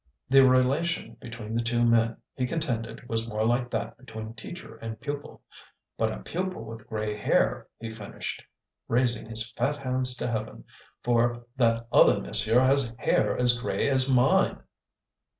The relation between the two men, he contended, was more like that between teacher and pupil. "But a pupil with gray hair!" he finished, raising his fat hands to heaven. "For that other monsieur has hair as gray as mine."